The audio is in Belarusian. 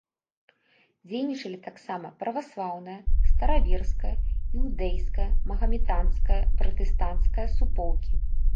Дзейнічалі таксама праваслаўная, стараверская, іудзейская, магаметанская, пратэстанцкая суполкі.